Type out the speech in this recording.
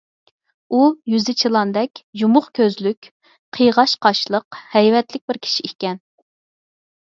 ئۇ يۈزى چىلاندەك، يۇمۇق كۆزلۈك، قىيغاچ قاشلىق، ھەيۋەتلىك بىر كىشى ئىكەن.